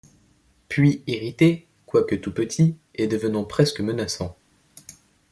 Puis irrité, quoique tout petit, et devenant presque menaçant :